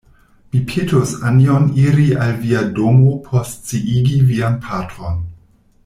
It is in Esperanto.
Mi petos Anjon iri al via domo por sciigi vian patron.